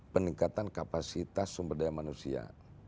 peningkatan kapasitas sumber daya manusia